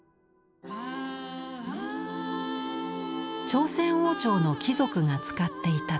朝鮮王朝の貴族が使っていた壺。